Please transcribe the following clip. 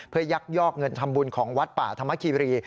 เพื่อยักยอกเงินทำบุญของวัดป่าธรรมคีรี